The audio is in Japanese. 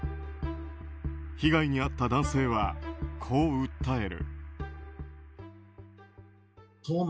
被害に遭った男性は、こう訴える。